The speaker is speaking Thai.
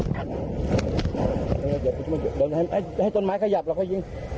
เฮ้ยลืมอยู่เดี๋ยวไหมให้ให้ตนไม้ขยับแล้วก็ยิง